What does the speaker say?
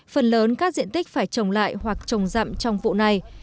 phần lớn các diện tích phải trồng lại hoặc trồng rậm trong vụ này